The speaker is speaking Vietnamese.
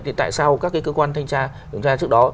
thì tại sao các cái cơ quan thanh tra trước đó